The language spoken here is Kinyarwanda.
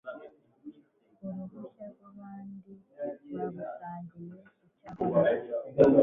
uruhushya rw abandi babusangiye icyakora